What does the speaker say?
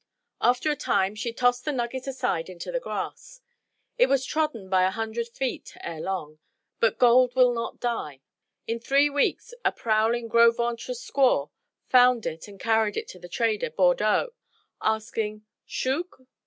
After a time she tossed the nugget aside into the grass. It was trodden by a hundred feet ere long. But gold will not die. In three weeks a prowling Gros Ventre squaw found it and carried it to the trader, Bordeaux, asking, "Shoog?"